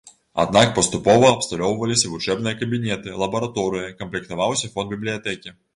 Аднак паступова абсталёўваліся вучэбныя кабінеты, лабараторыі, камплектаваўся фонд бібліятэкі.